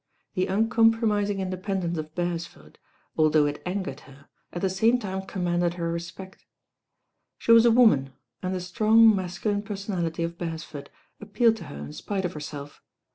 The un compromising independence of Beresford, although it angered her, at the same time commanded her re spect. She was a woman, and the strong mascu line personality of Beresford appealed to her in spite of herself.